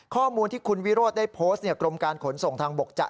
ข้อมูลที่คุณวิโรธได้โพสต์กรมการขนส่งทางบกจะ